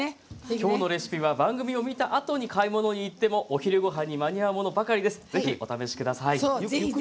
今日のレシピは見たあとに買い物に行ってもお昼ごはんに間に合うものばかりです。